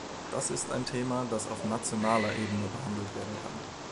Das ist ein Thema, das auf nationaler Ebene behandelt werden kann.